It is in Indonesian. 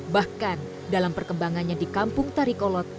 bahkan dalam perkembangannya di kampung tarikolot